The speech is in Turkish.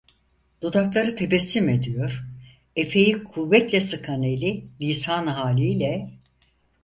Dudakları tebessüm ediyor, efeyi kuvvetle sıkan eli, lisanı haliyle: